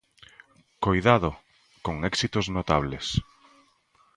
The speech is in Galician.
¡Coidado!, con éxitos notables.